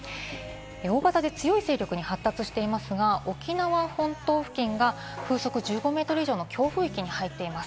大型で強い勢力に発達していますが、沖縄本島付近が風速１５メートル以上の強風域に入っています。